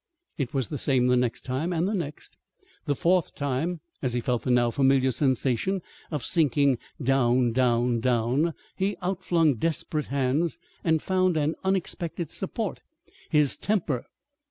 It was the same the next time, and the next. The fourth time, as he felt the now familiar sensation of sinking down, down, down, he outflung desperate hands and found an unexpected support his temper.